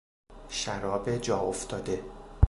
شراب جا افتاده